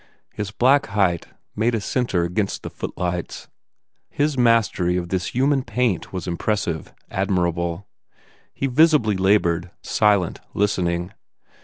His black height made a centre against the footlights. His mastery of this human paint was impressive, admirable. He visibly laboured, silent, listening.